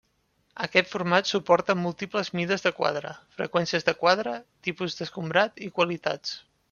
Aquest format suporta múltiples mides de quadre, freqüències de quadre, tipus d'escombrat i qualitats.